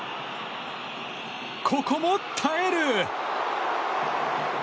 ここも耐える。